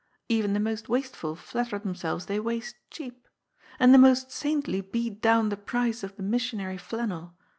Even the most wasteful flatter themselves they ' waste cheap.' And the most saintly beat down the price of the missionary flannel.